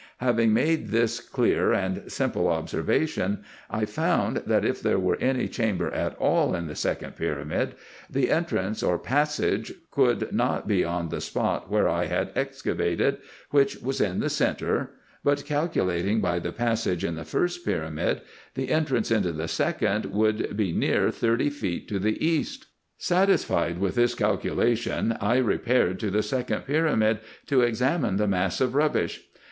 Having made this clear and simple observation, I found, that, if there were any chamber at all in the second pyramid, the entrance or passage could not be on the spot where I had excavated, which was in the centre, but calculating by the passage in the first pyramid, the entrance into the second would be near thirty feet to the east. Satisfied with this calculation, I repaired to the second pyramid to examine the mass of rubbish.